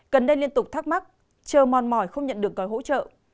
cần nên liên tục thắc mắc chờ mòn mỏi không nhận được cõi hỗ trợ